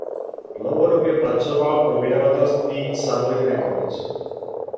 Dlouhodobě pracoval pro vydavatelství Savoy Records.